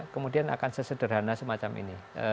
kemudian akan sesederhana semacam ini